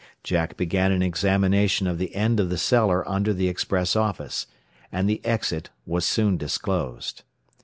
Jack began an examination of the end of the cellar under the express office. And the exit was soon disclosed.